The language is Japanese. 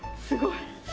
すごい。